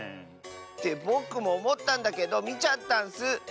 ってぼくもおもったんだけどみちゃったんス！